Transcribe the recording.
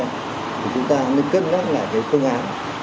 thì chúng ta mới cân gác lại cái phương án